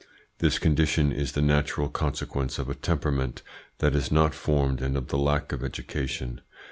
This condition is the natural consequence of a temperament that is not formed and of the lack of education.